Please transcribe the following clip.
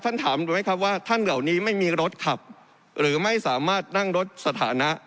ถามดูไหมครับว่าท่านเหล่านี้ไม่มีรถขับหรือไม่สามารถนั่งรถสถานะ